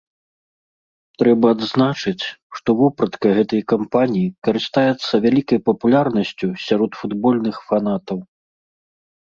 Трэба адзначыць, што вопратка гэтай кампаніі карыстаецца вялікай папулярнасцю сярод футбольных фанатаў.